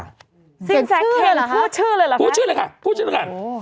ชิ้นแสงเข่งผู้ชื่อเลยเหรอแฟนโอ้โห